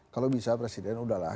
kalau bisa presiden udahlah